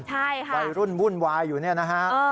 ใช่ค่ะวัยรุ่นวุ่นวายอยู่เนี่ยนะฮะ